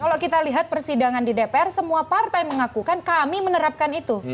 kalau kita lihat persidangan di dpr semua partai mengakukan kami menerapkan itu